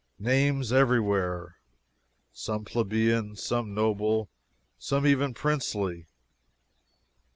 Names everywhere! some plebeian, some noble, some even princely.